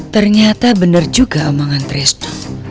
ternyata bener juga omongan trisno